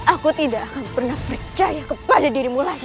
aku tidak akan pernah percaya kepada dirimu lagi